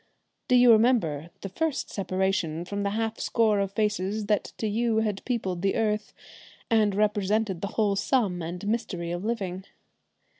Do you remember the first separation from the half score of faces that to you had peopled the earth and represented the whole sum and mystery of living?